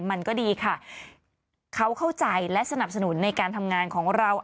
มันก็ดีค่ะเขาเข้าใจและสนับสนุนในการทำงานของเรา